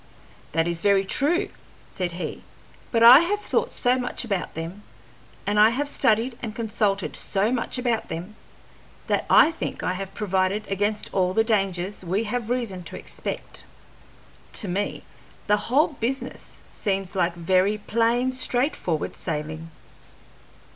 "That is very true," said he, "but I have thought so much about them, and I have studied and consulted so much about them, that I think I have provided against all the dangers we have reason to expect. To me the whole business seems like very plain, straightforward sailing."